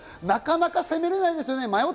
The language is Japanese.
なかなか攻められないですよね